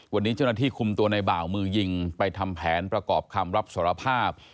วันนี้เจ้าหน้าที่คุมตัวในบ่าวมือยิงไปทำแผนประกอบคำรับสารภาพ